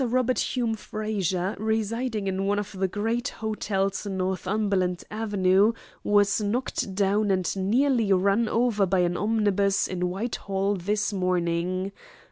Robert Hume Frazer, residing in one of the great hotels in Northumberland Avenue, was knocked down and nearly run over by an omnibus in Whitehall this morning.